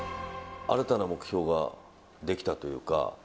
新たな目標が出来たというか。